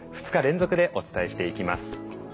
２日連続でお伝えしていきます。